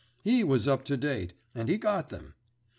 He was up to date, and he got them.